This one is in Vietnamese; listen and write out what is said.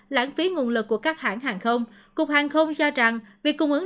lãng phí nguồn lực của các hãng hàng không cục hàng không cho rằng việc cung ứng